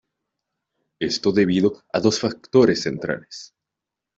Esto debido a dos factores centrales.